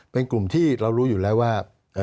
เป็นกลุ่มที่เรารู้อยู่แล้วว่า